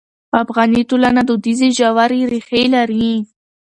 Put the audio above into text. افغاني ټولنه دودیزې ژورې ریښې لري.